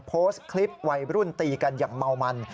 โพสต์คลิปวัยรุ่นตีกันอย่างเมามัน